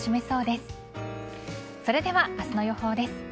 それでは、明日の予報です。